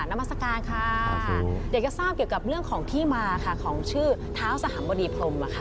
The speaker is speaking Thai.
นามัศกาลค่ะอยากจะทราบเกี่ยวกับเรื่องของที่มาค่ะของชื่อเท้าสหบดีพรมค่ะ